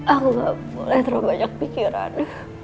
ah gak boleh terlalu banyak pikiran